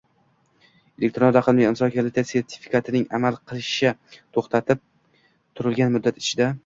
Elektron raqamli imzo kaliti sertifikatining amal qilishi to‘xtatib turilgan muddat ichida